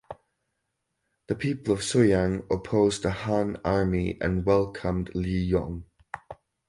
The people of Suiyang opposed the Han army and welcomed Liu Yong.